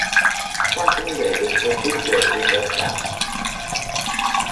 Franken and Davis were big Grateful Dead fans.